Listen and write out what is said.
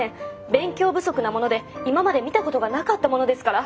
勉強不足なもので今まで見たことがなかったものですから。